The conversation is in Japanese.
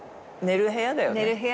寝る部屋だね。